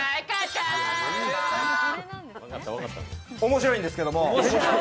面白いんですけど。